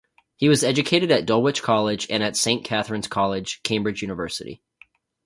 He was educated at Dulwich College and at Saint Catharine's College, Cambridge University.